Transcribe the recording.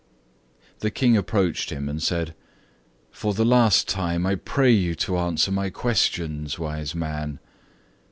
The King approached him, and said: "For the last time, I pray you to answer my questions, wise man."